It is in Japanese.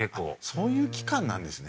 そういう期間なんですね。